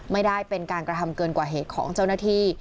ไม่ได้เป็นการกระทำเกินกว่าเหตุของเจ้าหน้าที่